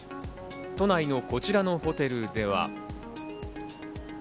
都内のこちらのホテルでは。